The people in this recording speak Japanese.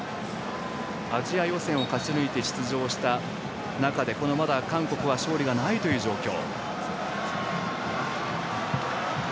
アジア予選を勝ち抜いて出場した中でこのまだ韓国は勝利がないという状況。